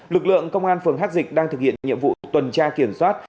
lực lượng công an phường hát dịch đang thực hiện nhiệm vụ tuần tra kiểm soát